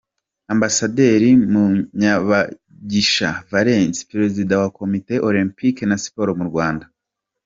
Ambasaderi Munyabagisha Valens perezida wa Komite Olempike na siporo mu Rwanda.